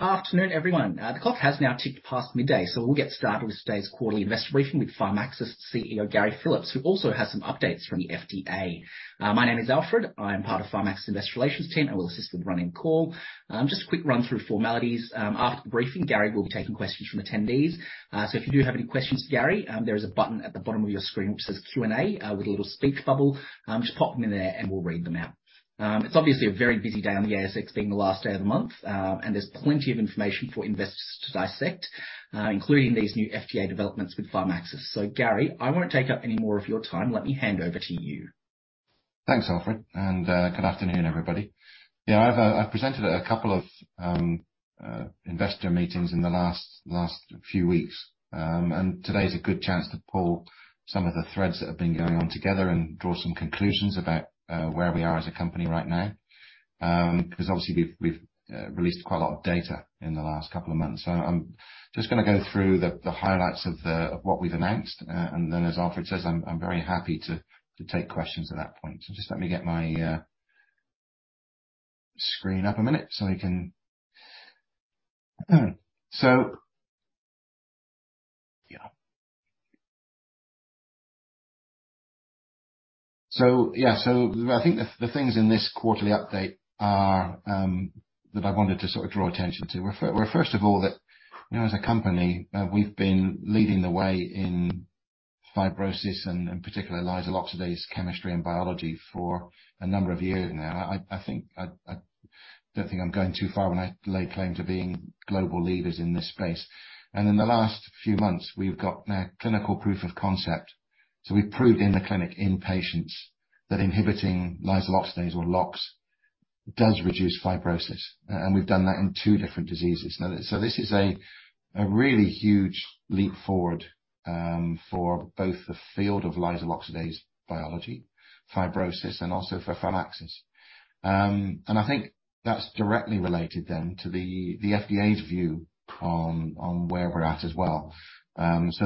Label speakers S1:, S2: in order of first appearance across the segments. S1: Go`od afternoon, everyone. The clock has now ticked past midday, we'll get started with today's quarterly investor briefing with Syntara CEO, Gary Phillips, who also has some updates from the FDA. My name is Alfred. I am part of Syntara Investor Relations team, will assist with running the call. Just a quick run through of formalities. After the briefing, Gary will be taking questions from attendees. If you do have any questions for Gary, there is a button at the bottom of your screen which says Q&A with a little speech bubble. Just pop them in there and we'll read them out. It's obviously a very busy day onAlfred. I am part of Syntara Investor RelationsAlfred. I am part of Syntara Investor RelationsAlfred. I am part of Syntara Investor Relations being the last day of the month, there's plenty of information for investors to dissect, including these new FDA developments with Syntara.Gary, I won't take up any more of your time. Let me hand over to you.
S2: Thanks, Alfred, good afternoon, everybody. Yeah, I've, I've presented at a couple of investor meetings in the last, last few weeks. Today is a good chance to pull some of the threads that have been going on together and draw some conclusions about where we are as a company right now. Because obviously we've, we've, released quite a lot of data in the last couple of months. I'm just gonna go through the, the highlights of what we've announced, and then, as Alfred says, I'm, I'm very happy to, to take questions at that point. Just let me get my screen up a minute so I can... Yeah, so I think the things in this quarterly update are that I wanted to sort of draw attention to, were first of all, that, you know, as a company, we've been leading the way in fibrosis and, and particularly lysyl oxidase chemistry and biology for a number of years now. I don't think I'm going too far when I lay claim to being global leaders in this space. In the last few months, we've got now clinical proof of concept. We've proved in the clinic, in patients, that inhibiting lysyl oxidase or LOX, does reduce fibrosis, and we've done that in two different diseases. Now, this is a really huge leap forward, for both the field of lysyl oxidase biology, fibrosis, and also for Syntara. I think that's directly related then, to the FDA's view on, on where we're at as well.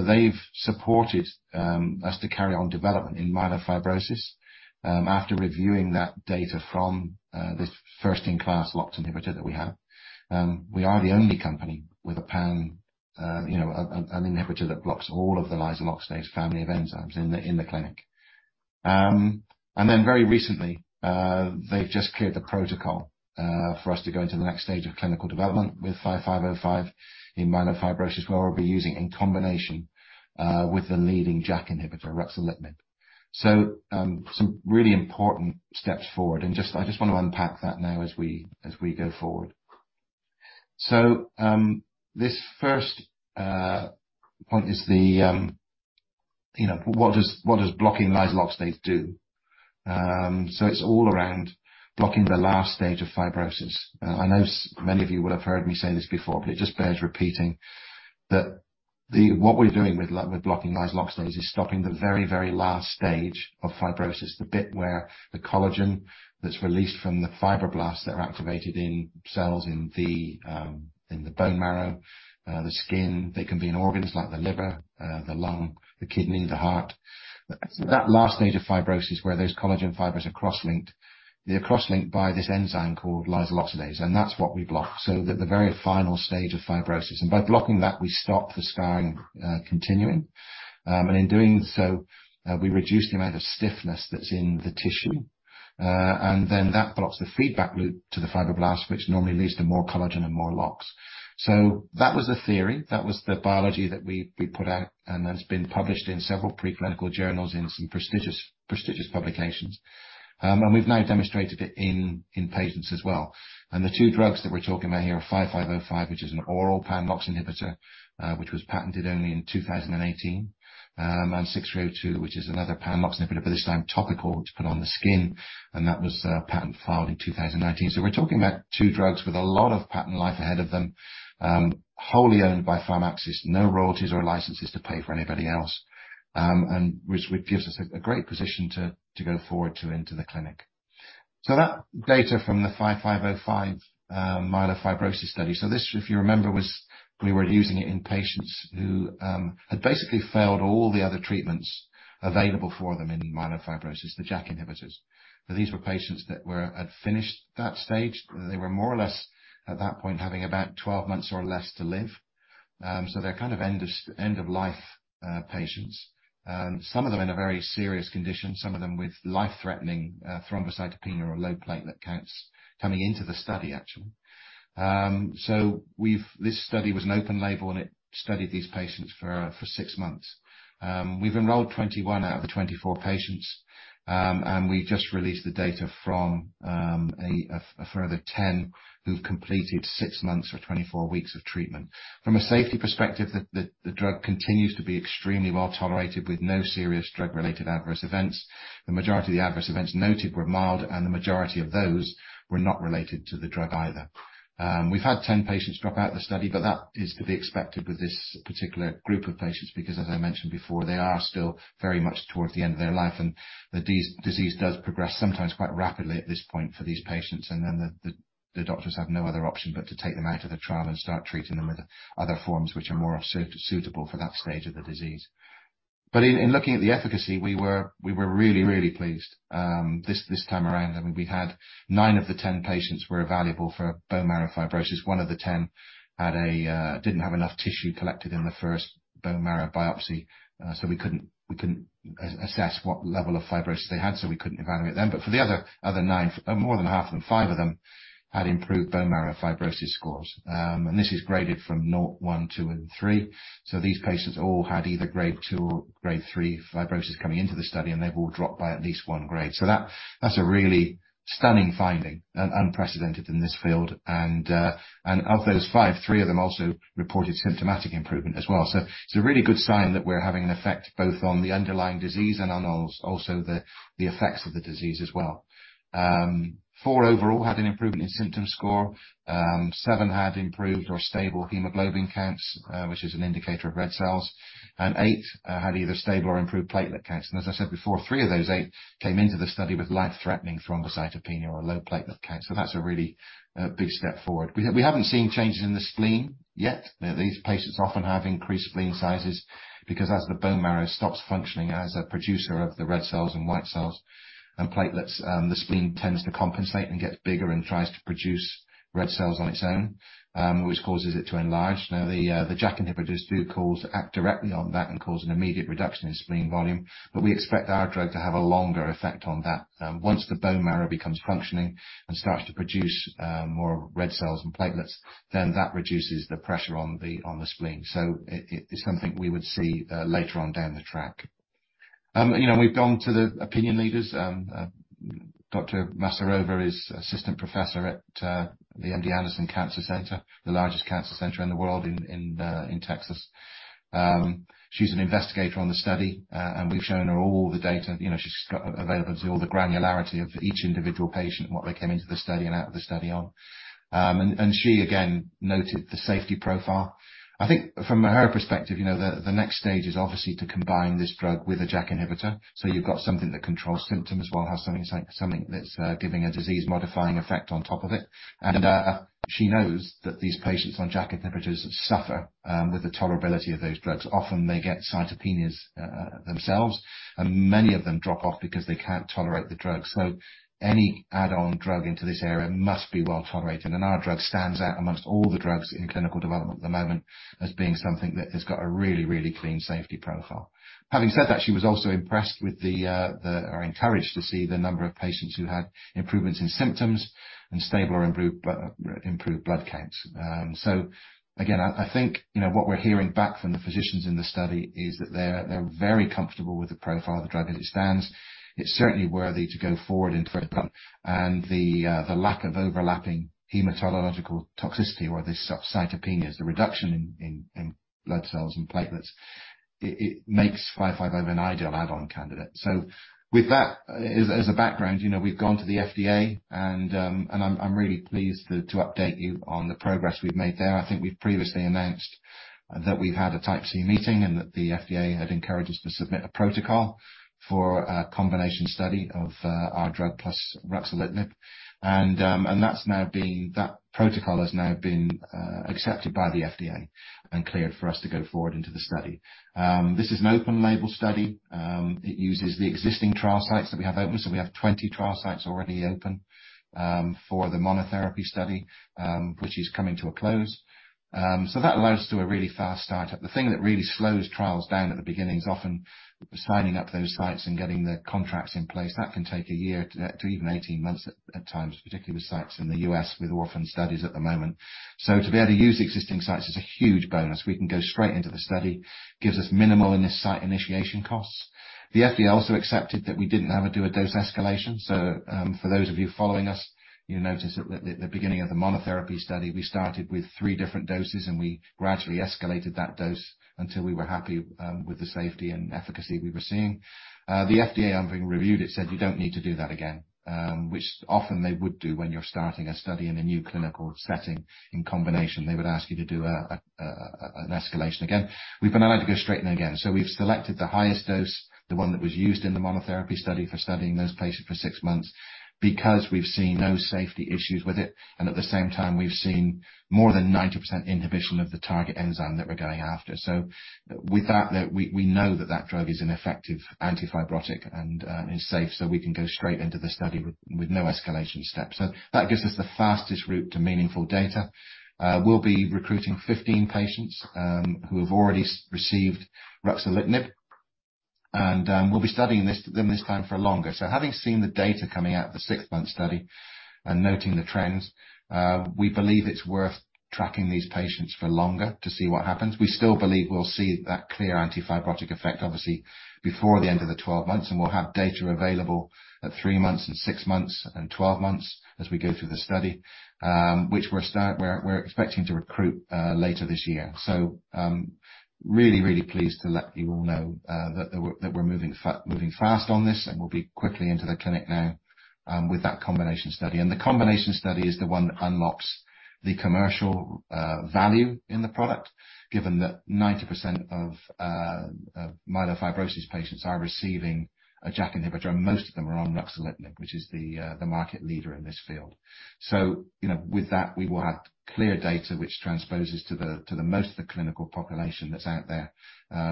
S2: They've supported us to carry on development in myelofibrosis. After reviewing that data from this first-in-class LOX inhibitor that we have. We are the only company with a pan, you know, an inhibitor that blocks all of the lysyl oxidase family of enzymes in the clinic. Very recently, they've just cleared the protocol for us to go into the next stage of clinical development with PXS-5505, in myelofibrosis, where we'll be using in combination with the leading JAK inhibitor, ruxolitinib. Some really important steps forward, I just want to unpack that now as we, as we go forward. This first point is the, you know, what does, what does blocking lysyl oxidase do? It's all around blocking the last stage of fibrosis. I know many of you will have heard me say this before, but it just bears repeating, that what we're doing with with blocking lysyl oxidase, is stopping the very, very last stage of fibrosis. The bit where the collagen that's released from the fibroblasts that are activated in cells in the bone marrow, the skin. They can be in organs like the liver, the lung, the kidney, the heart. That last stage of fibrosis, where those collagen fibers are cross-linked, they're cross-linked by this enzyme called lysyl oxidase, and that's what we block. The, the very final stage of fibrosis, and by blocking that, we stop the scarring, continuing. In doing so, we reduce the amount of stiffness that's in the tissue. Then that blocks the feedback loop to the fibroblast, which normally leads to more collagen and more LOX. That was the theory, that was the biology that we, we put out, and that's been published in several preclinical journals in some prestigious, prestigious publications. We've now demonstrated it in, in patients as well. The two drugs that we're talking about here are PXS-5505, which is an oral pan-LOX inhibitor, which was patented only in 2018. PXS-6302, which is another pan-LOX inhibitor, but this time topical, to put on the skin, and that was patent filed in 2019. We're talking about two drugs with a lot of patent life ahead of them, wholly owned by Pharmaxis. No royalties or licenses to pay for anybody else, and which, which gives us a, a great position to, to go forward to into the clinic. That data from the PXS-5505 myelofibrosis study. This, if you remember, was- we were using it in patients who had basically failed all the other treatments available for them in myelofibrosis, the JAK inhibitors. These were patients that were, had finished that stage. They were more or less, at that point, having about 12 months or less to live. They're kind of end of life patients. Some of them in a very serious condition, some of them with life-threatening thrombocytopenia or low platelet counts, coming into the study, actually. This study was an open-label, and it studied these patients for six months. We've enrolled 21 out of the 24 patients, we just released the data from a further 10, who've completed six months or 24 weeks of treatment. From a safety perspective, the drug continues to be extremely well-tolerated, with no serious drug-related adverse events. The majority of the adverse events noted were mild, and the majority of those were not related to the drug either. We've had 10 patients drop out the study, that is to be expected with this particular group of patients, because as I mentioned before, they are still very much towards the end of their life, and the disease does progress, sometimes quite rapidly at this point for these patients. The, the, the doctors have no other option but to take them out of the trial and start treating them with other forms, which are more suitable for that stage of the disease. In looking at the efficacy, we were, we were really, really pleased this time around. I mean, we had 9 of the 10 patients were evaluable for bone marrow fibrosis. 1 of the 10 had a didn't have enough tissue collected in the first bone marrow biopsy, so we couldn't, we couldn't assess what level of fibrosis they had, so we couldn't evaluate them. For the other, other 9, more than half of them, 5 of them, had improved bone marrow fibrosis scores. This is graded from 0, 1, 2, and 3. These patients all had either grade 2 or grade 3 fibrosis coming into the study, and they've all dropped by at least 1 grade. That, that's a really stunning finding and unprecedented in this field. Of those 5, 3 of them also reported symptomatic improvement as well. It's a really good sign that we're having an effect both on the underlying disease and on also the, the effects of the disease as well. 4 overall had an improvement in symptom score, 7 had improved or stable hemoglobin counts, which is an indicator of red cells, and 8 had either stable or improved platelet counts. As I said before, 3 of those 8 came into the study with life-threatening thrombocytopenia or low platelet count. That's a really big step forward. We, we haven't seen changes in the spleen, yet. Now, these patients often have increased spleen sizes because as the bone marrow stops functioning as a producer of the red cells and white cells and platelets, the spleen tends to compensate and gets bigger and tries to produce red cells on its own, which causes it to enlarge. Now, the JAK inhibitors act directly on that and cause an immediate reduction in spleen volume, but we expect our drug to have a longer effect on that. Once the bone marrow becomes functioning and starts to produce more red cells and platelets, then that reduces the pressure on the, on the spleen. It, it, it's something we would see later on down the track. You know, we've gone to the opinion leaders, Dr. Masarova is Assistant Professor at the MD Anderson Cancer Center, the largest cancer center in the world, in, in Texas. She's an investigator on the study, we've shown her all the data. You know, she's got available to see all the granularity of each individual patient and what they came into the study and out of the study on. She, again, noted the safety profile. I think from her perspective, you know, the next stage is obviously to combine this drug with a JAK inhibitor. You've got something that controls symptoms, as well as something, something that's giving a disease-modifying effect on top of it. She knows that these patients on JAK inhibitors suffer with the tolerability of those drugs. Often they get cytopenias themselves, and many of them drop off because they can't tolerate the drugs. Any add-on drug into this area must be well tolerated, and our drug stands out amongst all the drugs in clinical development at the moment as being something that has got a really, really clean safety profile. Having said that, she was also impressed with the... Or encouraged to see the number of patients who had improvements in symptoms and stable or improved blood, improved blood counts. Again, I, I think, you know, what we're hearing back from the physicians in the study is that they're, they're very comfortable with the profile of the drug as it stands. It's certainly worthy to go forward in, and the lack of overlapping hematological toxicity or the cytopenias, the reduction in, in, in blood cells and platelets, it, it makes PXS-5505 an ideal add-on candidate. With that, as, as a background, you know, we've gone to the FDA, and I'm, I'm really pleased to, to update you on the progress we've made there. I think we've previously announced that we've had a Type C meeting, and that the FDA had encouraged us to submit a protocol for a combination study of our drug plus ruxolitinib. That protocol has now been accepted by the FDA and cleared for us to go forward into the study. This is an open-label study. It uses the existing trial sites that we have open, so we have 20 trial sites already open for the monotherapy study, which is coming to a close. That allows us to do a really fast start-up. The thing that really slows trials down at the beginning is often signing up those sites and getting the contracts in place. That can take a year to even 18 months at times, particularly with sites in the US with orphan studies at the moment. To be able to use existing sites is a huge bonus. We can go straight into the study, gives us minimal in the site initiation costs. The FDA also accepted that we didn't have to do a dose escalation. For those of you following us, you'll notice that at the beginning of the monotherapy study, we started with three different doses, and we gradually escalated that dose until we were happy with the safety and efficacy we were seeing. The FDA, having reviewed it, said, "You don't need to do that again." Which often they would do when you're starting a study in a new clinical setting. In combination, they would ask you to do an escalation again. We've been allowed to go straight in again. We've selected the highest dose, the one that was used in the monotherapy study, for studying those patients for six months because we've seen no safety issues with it. At the same time, we've seen more than 90% inhibition of the target enzyme that we're going after. With that, we, we know that that drug is an effective antifibrotic and is safe, so we can go straight into the study with, with no escalation steps. That gives us the fastest route to meaningful data. We'll be recruiting 15 patients who have already received ruxolitinib, and we'll be studying this, them this time for longer. Having seen the data coming out of the 6-month study and noting the trends, we believe it's worth tracking these patients for longer to see what happens. We still believe we'll see that clear antifibrotic effect, obviously, before the end of the 12 months, and we'll have data available at 3 months and 6 months and 12 months as we go through the study. Which we're we're expecting to recruit later this year. Really, really pleased to let you all know that we're, that we're moving fast on this, and we'll be quickly into the clinic now with that combination study. The combination study is the one that unlocks the commercial value in the product, given that 90% of myelofibrosis patients are receiving a JAK inhibitor, and most of them are on ruxolitinib, which is the market leader in this field. You know, with that, we will have clear data which transposes to the, to the most of the clinical population that's out there,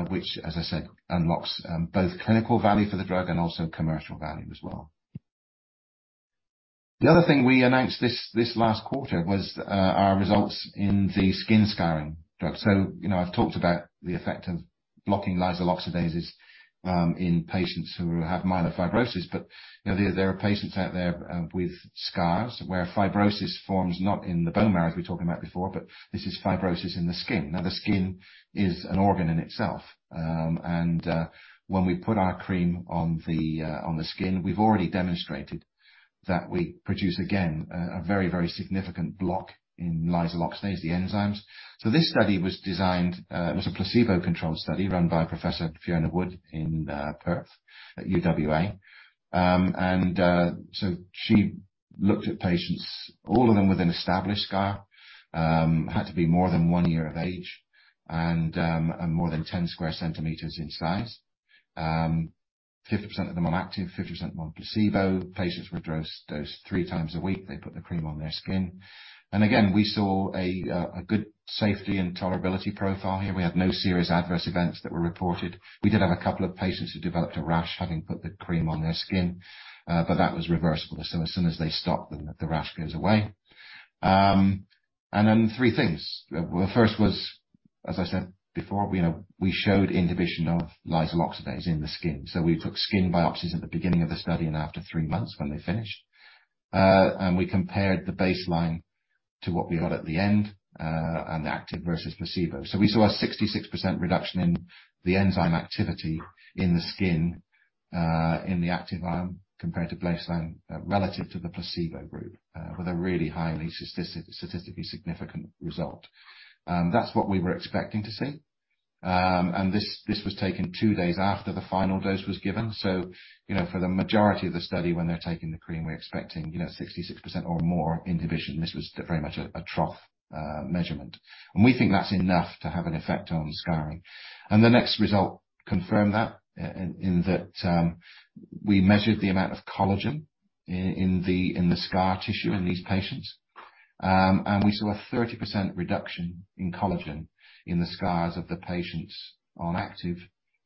S2: which, as I said, unlocks both clinical value for the drug and also commercial value as well. The other thing we announced this, this last quarter was our results in the skin scarring drug. You know, I've talked about the effect of blocking lysyl oxidase in patients who have myelofibrosis. You know, there are patients out there with scars where fibrosis forms, not in the bone marrow, as we talked about before, but this is fibrosis in the skin. The skin is an organ in itself, and when we put our cream on the skin, we've already demonstrated that we produce, again, a very, very significant block in lysyl oxidase, the enzymes. This study was designed, it was a placebo-controlled study run by Professor Fiona Wood in Perth at UWA. She looked at patients, all of them with an established scar. Had to be more than 1 year of age and more than 10 square centimeters in size. 50% of them on active, 50% on placebo. Patients were dosed, dosed 3 times a week. They put the cream on their skin. Again, we saw a good safety and tolerability profile here. We had no serious adverse events that were reported. We did have a couple of patients who developed a rash, having put the cream on their skin, but that was reversible. As soon as they stopped, then the rash goes away. Then 3 things. The first was, as I said before, you know, we showed inhibition of lysyl oxidase in the skin. We took skin biopsies at the beginning of the study and after 3 months when they finished. We compared the baseline to what we got at the end, and the active versus placebo. We saw a 66% reduction in the enzyme activity in the skin, in the active arm, compared to baseline, relative to the placebo group, with a really highly statistically significant result. This, this was taken 2 days after the final dose was given. You know, for the majority of the study, when they're taking the cream, we're expecting, you know, 66% or more inhibition. This was very much a, a trough measurement, we think that's enough to have an effect on scarring. The next result confirmed that, in, in that, we measured the amount of collagen in the, in the scar tissue in these patients. We saw a 30% reduction in collagen in the scars of the patients on active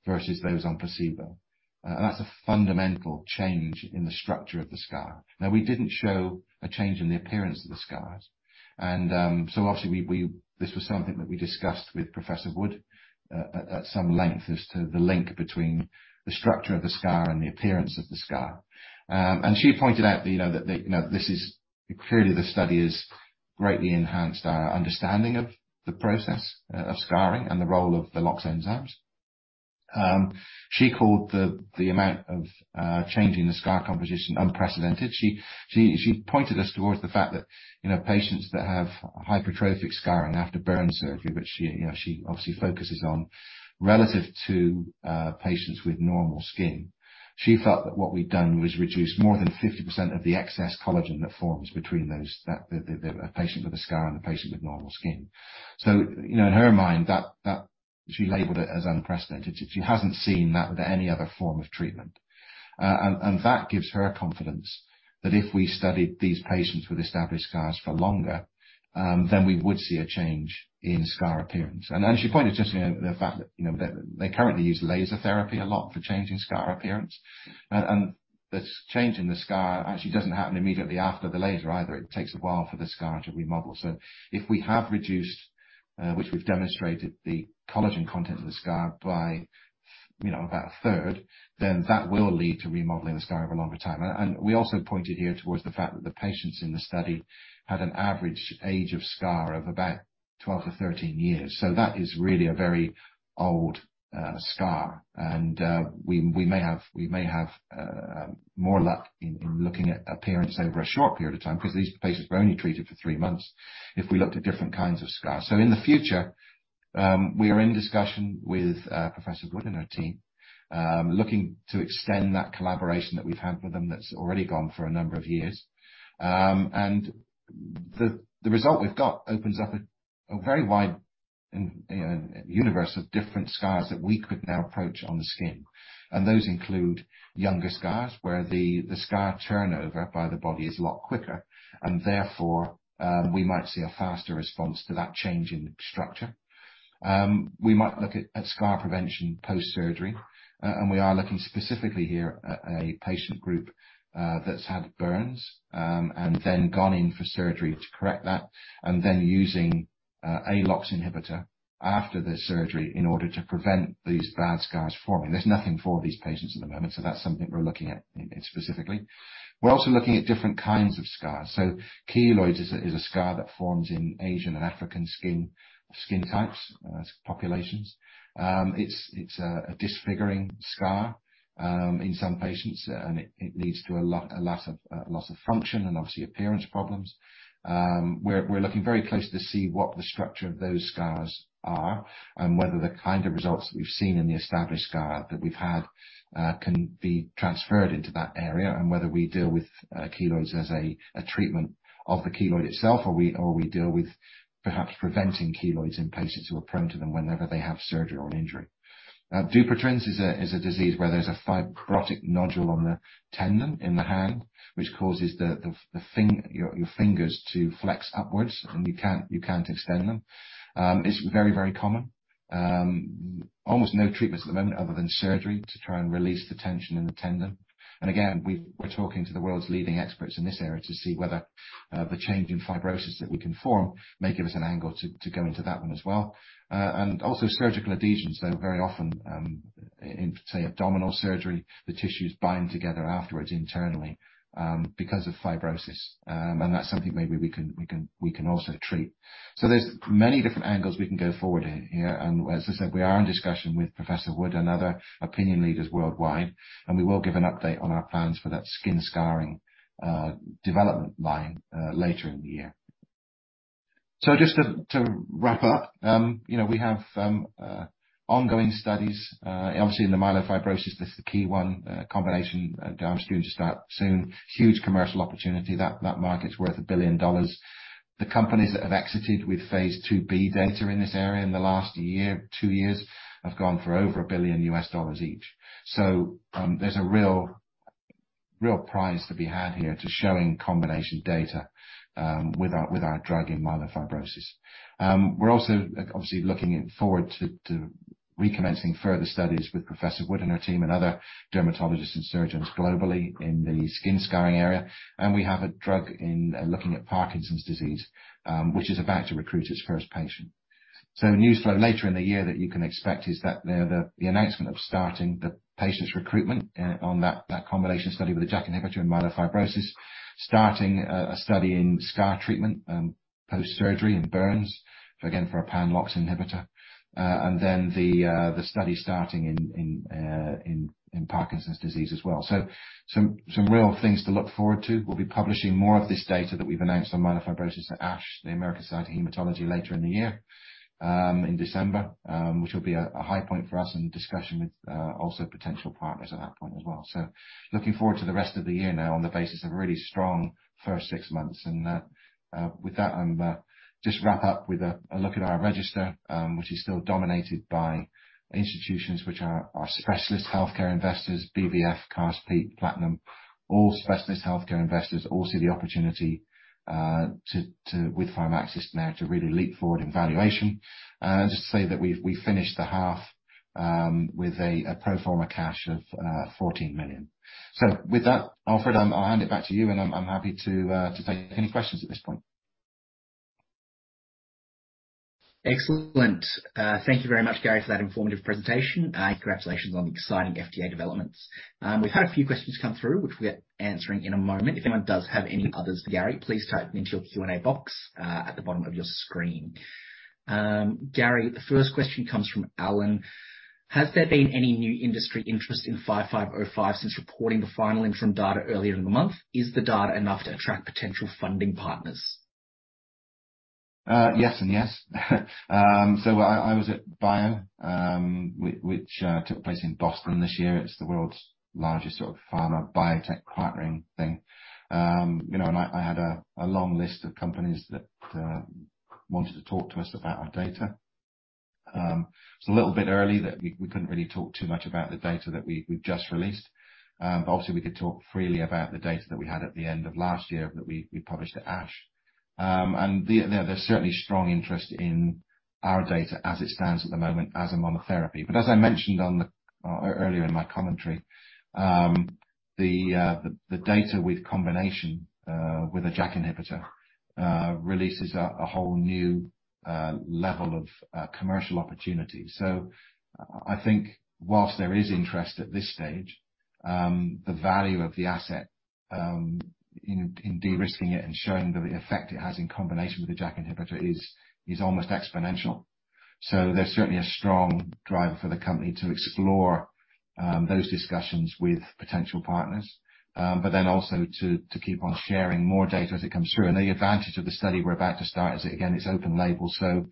S2: versus those on placebo. That's a fundamental change in the structure of the scar. Now, we didn't show a change in the appearance of the scars. So obviously, we, we-- this was something that we discussed with Professor Wood, at some length as to the link between the structure of the scar and the appearance of the scar. And she pointed out that, you know, that, you know, this is clearly, the study has greatly enhanced our understanding of the process of scarring and the role of the LOX enzymes. She called the amount of change in the scar composition unprecedented. She, she, she pointed us towards the fact that, you know, patients that have hypertrophic scarring after burn surgery, which she, you know, she obviously focuses on, relative to patients with normal skin. She felt that what we'd done was reduce more than 50% of the excess collagen that forms between those, that, the patient with the scar and the patient with normal skin. you know, in her mind, that, she labeled it as unprecedented. She hasn't seen that with any other form of treatment. and that gives her confidence that if we studied these patients with established scars for longer, then we would see a change in scar appearance. she pointed just to the fact that, you know, they, they currently use laser therapy a lot for changing scar appearance. and this change in the scar actually doesn't happen immediately after the laser either. It takes a while for the scar to remodel. If we have reduced, which we've demonstrated, the collagen content of the scar by, you know, about a third, then that will lead to remodeling the scar over a longer time. We also pointed here towards the fact that the patients in the study had an average age of scar of about 12 or 13 years. That is really a very old, scar. We, we may have, we may have, more luck in looking at appearance over a short period of time, because these patients were only treated for three months, if we looked at different kinds of scars. In the future, we are in discussion with Professor Wood and her team, looking to extend that collaboration that we've had with them that's already gone for a number of years. The, the result we've got opens up a very wide, you know, universe of different scars that we could now approach on the skin. Those include younger scars, where the scar turnover by the body is a lot quicker, and therefore, we might see a faster response to that change in structure. We might look at scar prevention post-surgery, and we are looking specifically here at a patient group that's had burns, and then gone in for surgery to correct that, and then using a LOX inhibitor after the surgery in order to prevent these bad scars forming. There's nothing for these patients at the moment, so that's something we're looking at specifically. We're also looking at different kinds of scars. Keloid is a scar that forms in Asian and African skin types, populations. It's a disfiguring scar in some patients, and it leads to a lot of loss of function and obviously appearance problems. We're looking very closely to see what the structure of those scars are and whether the kind of results we've seen in the established scar that we've had can be transferred into that area, and whether we deal with keloids as a treatment of the keloid itself, or we deal with perhaps preventing keloids in patients who are prone to them whenever they have surgery or injury. Now, Dupuytren's is a, is a disease where there's a fibrotic nodule on the tendon in the hand, which causes your, your fingers to flex upwards, and you can't, you can't extend them. It's very, very common. Almost no treatments at the moment other than surgery, to try and release the tension in the tendon. We-we're talking to the world's leading experts in this area to see whether the change in fibrosis that we can form may give us an angle to, to go into that one as well. Surgical adhesions, they're very often, in, say, abdominal surgery, the tissues bind together afterwards internally, because of fibrosis. That's something maybe we can, we can, we can also treat. There's many different angles we can go forward in here, and as I said, we are in discussion with Professor Wood and other opinion leaders worldwide, and we will give an update on our plans for that skin scarring development line later in the year. Just to wrap up, you know, we have ongoing studies. Obviously, in the myelofibrosis, that's the key one. Combination due to start soon. Huge commercial opportunity. That market's worth $1 billion. The companies that have exited with phase IIb data in this area in the last one year, two years, have gone for over $1 billion each. There's a real, real prize to be had here to showing combination data with our drug in myelofibrosis. We're also obviously looking forward to, to recommencing further studies with Professor Wood and her team and other dermatologists and surgeons globally in the skin scarring area. We have a drug in looking at Parkinson's disease, which is about to recruit its first patient. Newsflow later in the year that you can expect is that the, the announcement of starting the patient's recruitment on that, that combination study with a JAK inhibitor in myelofibrosis. Starting a, a study in scar treatment, post-surgery and burns, again, for a pan-LOX inhibitor. Then the study starting in, in, in, in Parkinson's disease as well. Some, some real things to look forward to. We'll be publishing more of this data that we've announced on myelofibrosis at ASH, the American Society of Hematology, later in the year, in December, which will be a, a high point for us, and discussion with also potential partners at that point as well. Looking forward to the rest of the year now on the basis of a really strong first six months, and with that, just wrap up with a, a look at our register, which is still dominated by institutions which are, are specialist healthcare investors, BVF, Carspeed Platinum, all specialist healthcare investors. All see the opportunity to, to, with Syntara now, to really leap forward in valuation. And just to say that we finished the half with a, a pro forma cash of $14 million. With that, Alfred, I'll, I'll hand it back to you, and I'm, I'm happy to take any questions at this point.
S1: Excellent. Thank you very much, Gary, for that informative presentation, and congratulations on the exciting FDA developments. We've had a few questions come through, which we'll be answering in a moment. If anyone does have any others for Gary, please type them into your Q&A box, at the bottom of your screen. Gary, the first question comes from Alan: Has there been any new industry interest in PXS-5505 since reporting the final interim data earlier in the month? Is the data enough to attract potential funding partners?
S2: Yes and yes. I, I was at BIO, which took place in Boston this year. It's the world's largest sort of pharma biotech acquiring thing. You know, I, I had a, a long list of companies that wanted to talk to us about our data. It's a little bit early, that we, we couldn't really talk too much about the data that we, we've just released. Obviously, we could talk freely about the data that we had at the end of last year, that we, we published at ASH. There's certainly strong interest in our data as it stands at the moment as a monotherapy. As I mentioned earlier in my commentary, the data with combination with a JAK inhibitor releases a whole new level of commercial opportunity. I think whilst there is interest at this stage, the value of the asset in de-risking it and showing the effect it has in combination with a JAK inhibitor is, is almost exponential. There's certainly a strong driver for the company to explore those discussions with potential partners. Then also to, to keep on sharing more data as it comes through. The advantage of the study we're about to start is, again, it's open-label, so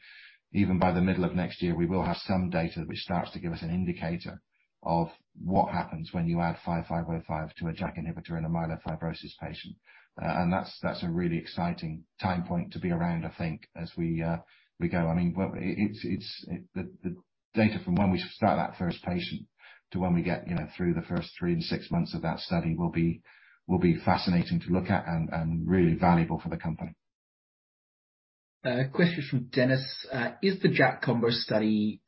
S2: even by the middle of next year, we will have some data which starts to give us an indicator of what happens when you add five five oh five to a JAK inhibitor in a myelofibrosis patient. That's, that's a really exciting time point to be around, I think, as we go. I mean, but it's, the data from when we start that first patient to when we get, you know, through the first three to six months of that study will be, will be fascinating to look at and, and really valuable for the company.
S1: A question from Dennis: With the JAK combo study,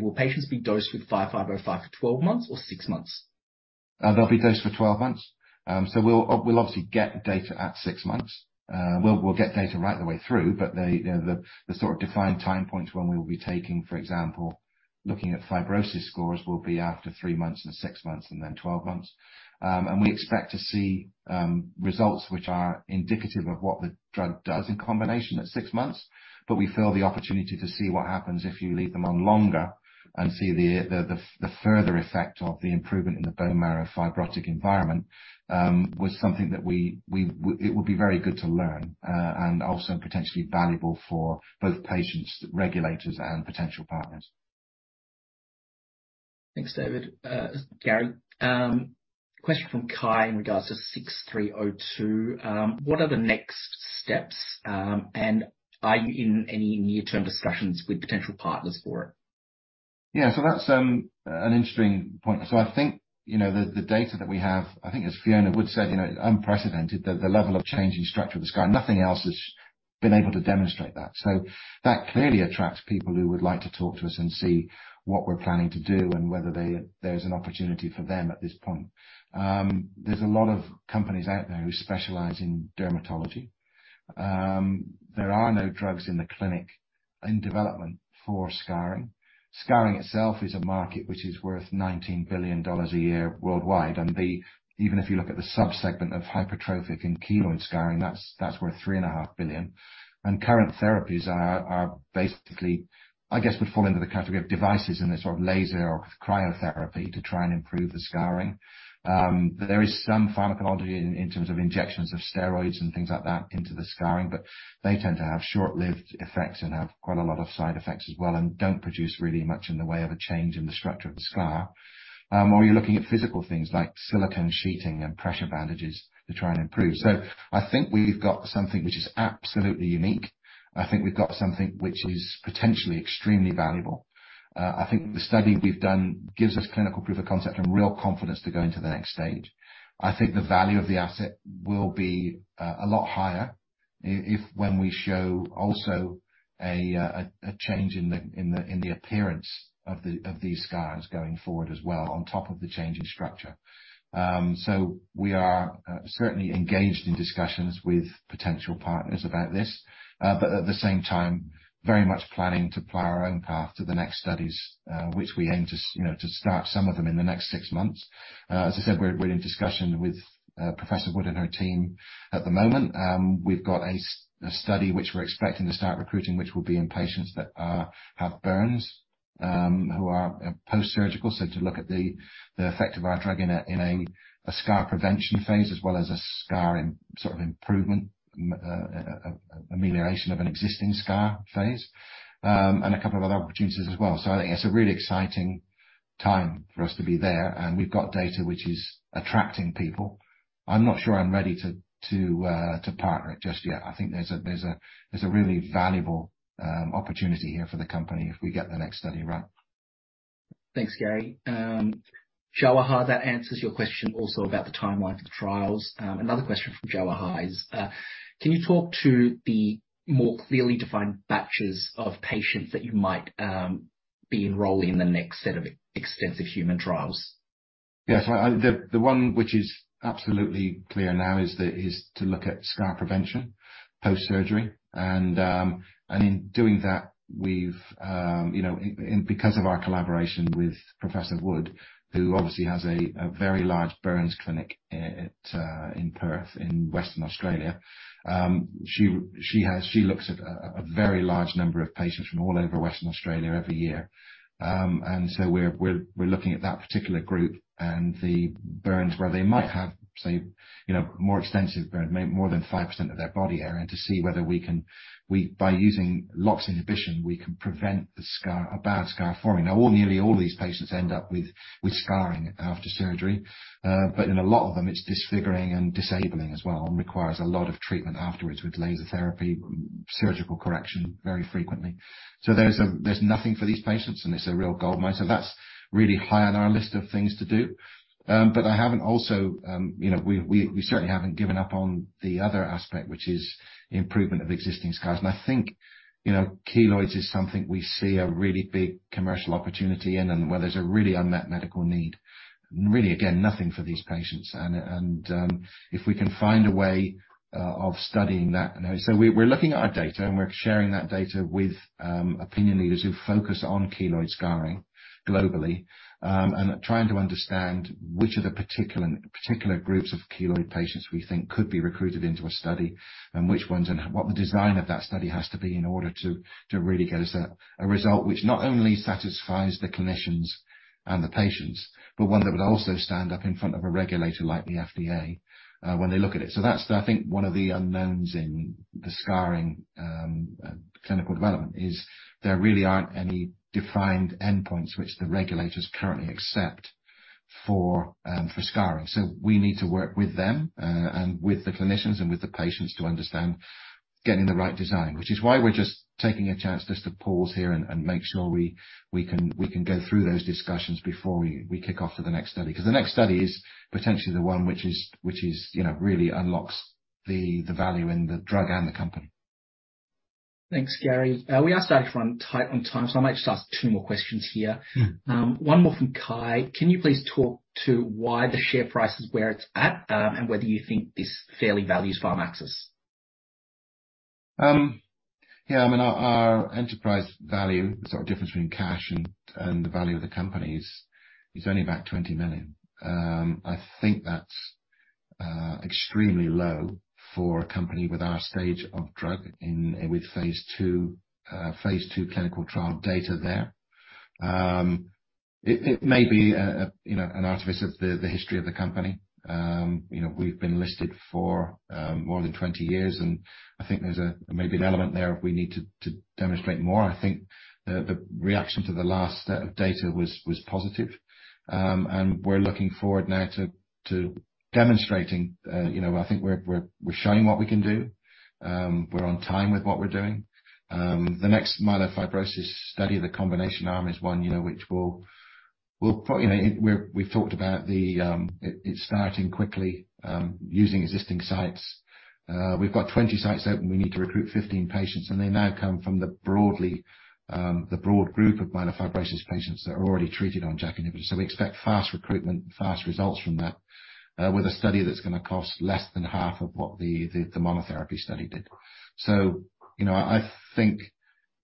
S1: will patients be dosed with 5505 for 12 months or 6 months?
S2: They'll be dosed for 12 months. We'll obviously get data at 6 months. We'll, we'll get data right the way through, but the, you know, the, the sort of defined time points when we'll be taking, for example, looking at fibrosis scores, will be after 3 months and 6 months, and then 12 months. We expect to see results which are indicative of what the drug does in combination at 6 months, but we feel the opportunity to see what happens if you leave them on longer. See the, the, the further effect of the improvement in the bone marrow fibrotic environment, was something that we, it would be very good to learn, and also potentially valuable for both patients, regulators, and potential partners.
S1: Thanks, David, Gary. Question from Kai in regards to 6302. What are the next steps? Are you in any near-term discussions with potential partners for it?
S2: Yeah, that's an interesting point. I think, you know, the data that we have, I think as Fiona would say, you know, unprecedented. The level of change in structure of the scar. Nothing else been able to demonstrate that. That clearly attracts people who would like to talk to us and see what we're planning to do, and whether there's an opportunity for them at this point. There's a lot of companies out there who specialize in dermatology. There are no drugs in the clinic in development for scarring. Scarring itself is a market which is worth $19 billion a year worldwide, and even if you look at the subsegment of hypertrophic and keloid scarring, that's, that's worth $3.5 billion. Current therapies are basically, I guess, would fall into the category of devices in the sort of laser or cryotherapy to try and improve the scarring. There is some pharmacology in terms of injections, of steroids and things like that into the scarring, but they tend to have short-lived effects and have quite a lot of side effects as well, and don't produce really much in the way of a change in the structure of the scar. Or you're looking at physical things like silicone sheeting and pressure bandages to try and improve. I think we've got something which is absolutely unique. I think we've got something which is potentially extremely valuable. I think the study we've done gives us clinical proof of concept and real confidence to go into the next stage. I think the value of the asset will be a lot higher when we show also a change in the appearance of these scars going forward as well, on top of the change in structure. We are certainly engaged in discussions with potential partners about this, but at the same time, very much planning to plow our own path to the next studies, which we aim to you know, to start some of them in the next 6 months. I said, we're in discussion with Professor Wood and her team at the moment. We've got a study which we're expecting to start recruiting, which will be in patients that have burns, who are post-surgical. To look at the, the effect of our drug in a, in a, a scar prevention phase, as well as a scar im- sort of improvement, a amelioration of an existing scar phase. A couple of other opportunities as well. I think it's a really exciting time for us to be there, and we've got data which is attracting people. I'm not sure I'm ready to, to partner it just yet. I think there's a, there's a, there's a really valuable opportunity here for the company if we get the next study right.
S1: Thanks, Gary. Jawahar, that answers your question also about the timeline for the trials. Another question from Jawahar is, "Can you talk to the more clearly defined batches of patients that you might be enrolling in the next set of extensive human trials?
S2: Yes. Well, the one which is absolutely clear now is to look at scar prevention post-surgery. In doing that, we've, you know, because of our collaboration with Professor Wood, who obviously has a very large burns clinic in Perth, in Western Australia. She looks at a very large number of patients from all over Western Australia every year. We're looking at that particular group and the burns where they might have, say, you know, more extensive burns, may more than 5% of their body area, to see whether by using LOX inhibition, we can prevent the scar, a bad scar forming. All, nearly all these patients end up with scarring after surgery. In a lot of them, it's disfiguring and disabling as well, and requires a lot of treatment afterwards with laser therapy, surgical correction very frequently. There's, there's nothing for these patients, and it's a real goldmine. That's really high on our list of things to do. I haven't also, you know, we, we, we certainly haven't given up on the other aspect, which is improvement of existing scars. I think, you know, keloids is something we see a really big commercial opportunity in, and where there's a really unmet medical need. Really, again, nothing for these patients. And, if we can find a way of studying that, you know... We, we're looking at our data, and we're sharing that data with opinion leaders who focus on keloid scarring globally. Trying to understand which of the particular, particular groups of keloid patients we think could be recruited into a study, and which ones, and what the design of that study has to be in order to, to really get us a, a result which not only satisfies the clinicians and the patients, but one that would also stand up in front of a regulator like the FDA when they look at it. That's, I think, one of the unknowns in the scarring clinical development, is there really aren't any defined endpoints which the regulators currently accept for scarring. We need to work with them, and with the clinicians, and with the patients to understand getting the right design. Which is why we're just taking a chance just to pause here and, and make sure we, we can, we can go through those discussions before we, we kick off for the next study. Because the next study is potentially the one which is, which is, you know, really unlocks the, the value in the drug and the company.
S1: Thanks, Gary. We are starting to run tight on time, so I might just ask two more questions her One more from Kai: "Can you please talk to why the share price is where it's at, and whether you think this fairly values Pharmaxis?
S2: Yeah, I mean, our, our enterprise value, the sort of difference between cash and, and the value of the company is, is only about 20 million. I think that's extremely low for a company with our stage of drug in, with phase II, phase II clinical trial data there. It, it may be a, a, you know, an artifact of the, the history of the company. You know, we've been listed for, more than 20 years, and I think there's a, maybe an element there we need to, to demonstrate more. I think the, the reaction to the last set of data was, was positive. We're looking forward now to, to demonstrating, you know, I think we're, we're, we're showing what we can do. We're on time with what we're doing. The next myelofibrosis study, the combination arm, is one, you know, Well, probably, you know, we've talked about the, it starting quickly, using existing sites. We've got 20 sites open. We need to recruit 15 patients. They now come from the broadly, the broad group of myelofibrosis patients that are already treated on JAK inhibitors. We expect fast recruitment, fast results from that, with a study that's gonna cost less than half of what the monotherapy study did. You know, I think,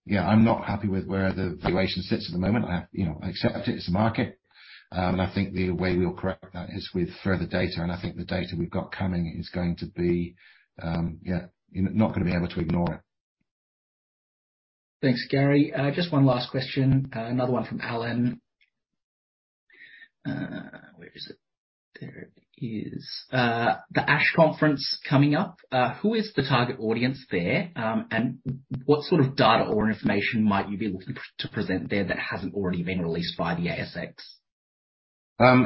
S2: yeah, I'm not happy with where the valuation sits at the moment. I have, you know, I accept it, it's the market. I think the way we'll correct that is with further data. I think the data we've got coming is going to be, you're not gonna be able to ignore it.
S1: Thanks, Gary. Just one last question, another one from Alan. Where is it? There it is. The ASH conference coming up, who is the target audience there, and what sort of data or information might you be able to present there that hasn't already been released by the ASX?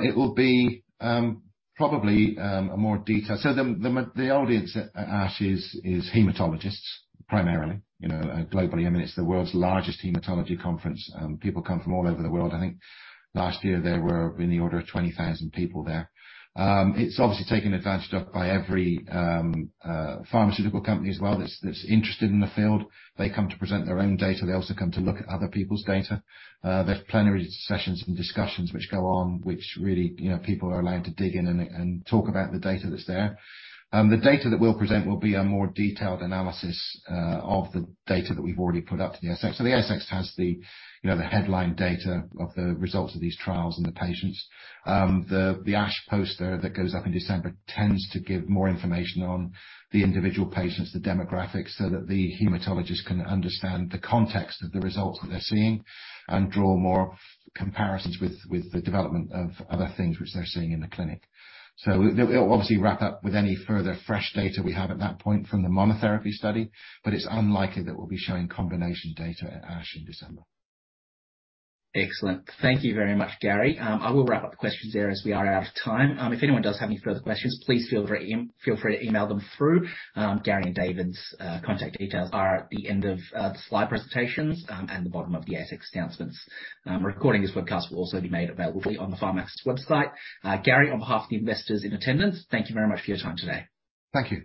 S2: It will be, probably, a more detailed... The, the, the audience at ASH is, is hematologists primarily. You know, globally, I mean, it's the world's largest hematology conference. People come from all over the world. I think last year there were in the order of 20,000 people there. It's obviously taken advantage of by every pharmaceutical company as well, that's, that's interested in the field. They come to present their own data. They also come to look at other people's data. There's plenary sessions and discussions which go on, which really, you know, people are allowed to dig in and, and talk about the data that's there. The data that we'll present will be a more detailed analysis of the data that we've already put up to the ASX. The ASX has the, you know, the headline data of the results of these trials and the patients. The ASH poster that goes up in December tends to give more information on the individual patients, the demographics, so that the hematologist can understand the context of the results that they're seeing, and draw more comparisons with, with the development of other things which they're seeing in the clinic. We'll obviously wrap up with any further fresh data we have at that point from the monotherapy study, but it's unlikely that we'll be showing combination data at ASH in December.
S1: Excellent. Thank you very much, Gary. I will wrap up the questions there, as we are out of time. If anyone does have any further questions, please feel free to email them through. Gary and David's contact details are at the end of the slide presentations and the bottom of the ASX announcements. A recording of this webcast will also be made available on the Syntara website. Gary, on behalf of the investors in attendance, thank you very much for your time today.
S2: Thank you.